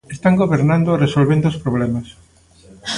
Están gobernando e resolvendo os problemas.